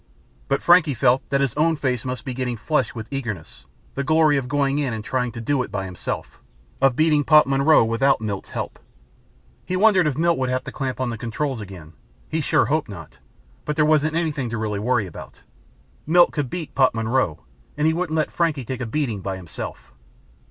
But Frankie felt that his own face must be getting flushed with eagerness. The glory of going in and trying to do it by himself; of beating Pop Monroe without Milt's help. He wondered if Milt would have to clamp on the controls again. He sure hoped not. But there wasn't anything to really worry about. Milt could beat Pop Monroe and he wouldn't let Frankie take a beating by himself.